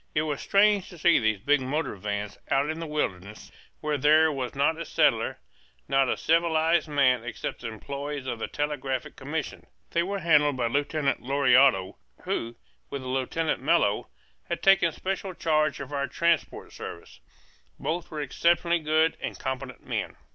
It was strange to see these big motor vans out in the wilderness where there was not a settler, not a civilized man except the employees of the Telegraphic Commission. They were handled by Lieutenant Lauriado, who, with Lieutenant Mello, had taken special charge of our transport service; both were exceptionally good and competent men.